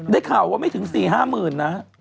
ได้ข่าวว่าไม่ถึง๔๕หมื่นนะฮะ